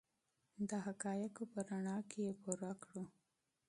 د حقایقو په رڼا کې یې پوره کړو.